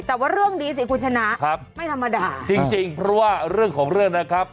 แต่ว่าเรื่องนี้สิคุณชนะไม่ธรรมดาจริงจริงเพราะว่าเรื่องของเรื่องนะครับ